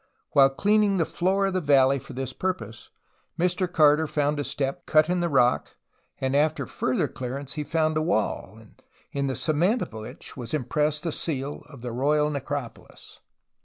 While cleaning the floor of the valley for this purpose, Mr Carter found a step cut in the rock and after further clearance he found a wall in the cement upon which was impressed the seal of the Royal Necropolis.